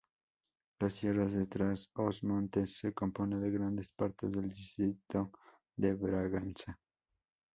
Las Tierras de Trás-os-Montes se compone de grandes partes del distrito de Braganza.